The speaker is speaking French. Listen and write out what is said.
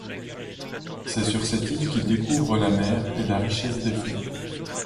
C'est sur cette île qu'il découvre la mer et la richesse des fonds.